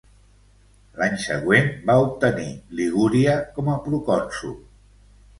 A l'any següent va obtenir Ligúria com a procònsol.